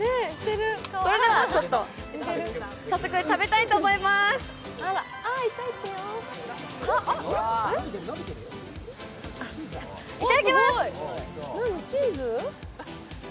それでは早速、食べたいと思いますいただきます。